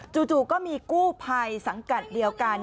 จู่ก็มีกู้ภัยสังกัดเดียวกัน